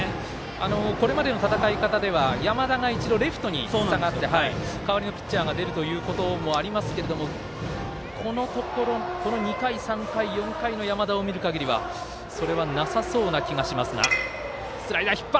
これまでの戦い方では山田が一度、レフトに下がって代わりのピッチャーが出るということもありますけどこのところ２回、３回、４回の山田を見るかぎりはそれはなさそうな気がしますが。